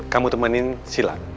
kamu temenin sila